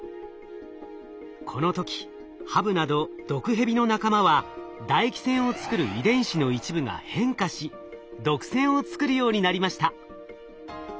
この時ハブなど毒ヘビの仲間は唾液腺を作る遺伝子の一部が変化し毒腺を作るようになりました。